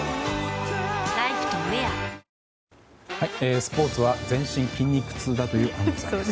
スポーツは全身筋肉痛だという安藤さん。